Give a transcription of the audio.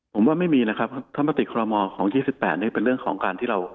ผมว่าไม่มีนะครับถ้ามติคลม๒๘เนี่ยเป็นเรื่องของการที่เรา